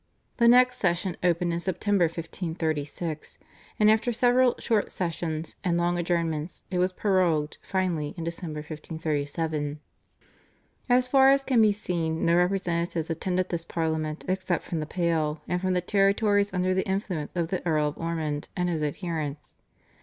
The next session opened in September (1536), and after several short sessions and long adjournments it was prorogued finally in December 1537. As far as can be seen no representatives attended this parliament except from the Pale and from the territories under the influence of the Earl of Ormond and his adherents.